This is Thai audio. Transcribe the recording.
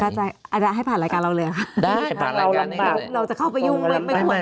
อันนี้ให้ผ่านรายการเราเลยอะเราจะเข้าไปยุ่งไม่ควร